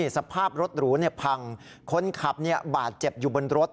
สภาพรถหรูพังคนขับบาดเจ็บอยู่บนรถ